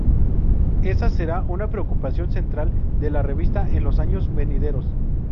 Esa será una preocupación central de la revista en los años venideros.